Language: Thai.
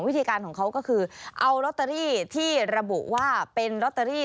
วิธีการของเขาก็คือเอาลอตเตอรี่ที่ระบุว่าเป็นลอตเตอรี่